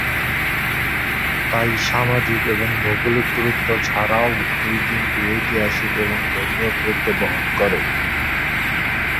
তাই সামাজিক এবং ভৌগোলিক গুরুত্ব ছাড়াও এই দিনটি ঐতিহাসিক এবং ধর্মীয় গুরুত্ব বহন করে।